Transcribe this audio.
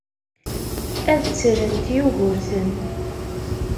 Ad ttrent Yugurten.